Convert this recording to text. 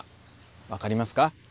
分かりますか？